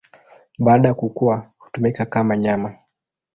Baada ya kukua hutumika kama nyama.